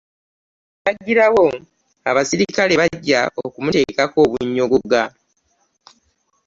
Mbagirawo, abaserikale bajja okunteekako obunnyogoga.